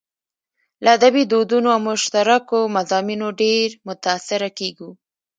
له ادبي دودونو او مشترکو مضامينو ډېر متاثره کېږو.